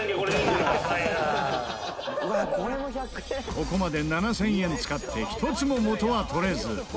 ここまで７０００円使って一つも元は取れず。